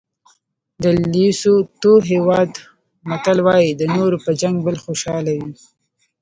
د لېسوتو هېواد متل وایي د نورو په جنګ بل خوشحاله وي.